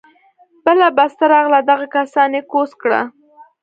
بله پسته راغله دغه کسان يې کوز کړه.